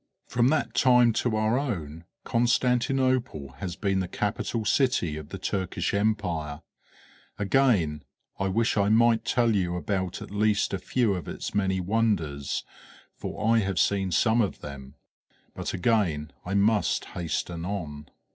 From that time to our own Constantinople has been the capital city of the Turkish Empire. Again, I wish I might tell you about at least a few of its many wonders, for I have seen some of them, but again I must hasten on.